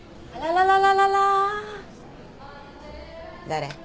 誰？